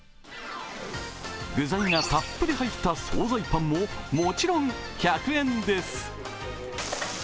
具材がたっぷり入った総菜パンも、もちろん１００円です。